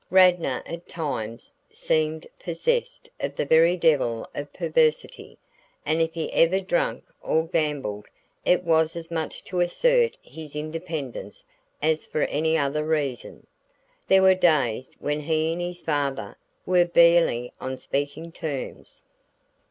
Radnor at times seemed possessed of the very devil of perversity; and if he ever drank or gambled, it was as much to assert his independence as for any other reason. There were days when he and his father were barely on speaking terms.